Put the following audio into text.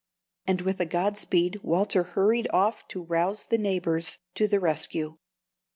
And with a godspeed Walter hurried off to rouse the neighbors to the rescue.